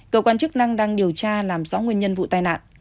cơ quan chức năng đang điều tra làm rõ nguyên nhân vụ tai nạn